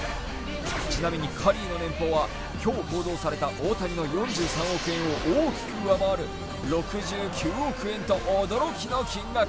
ちなみにカリーの年俸は今日報道された大谷の４３億円を大きく上回る６９億円と驚きの金額。